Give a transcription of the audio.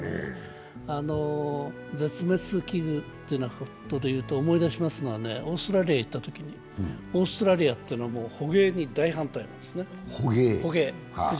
絶滅危惧ということでいうと、思い出しますのは、オーストラリアに行ったときにオーストラリアっていうのは、捕鯨に大反対なんですね。